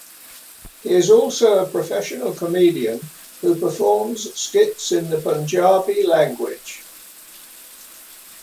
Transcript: He is also a professional comedian who performs skits in the Punjabi language.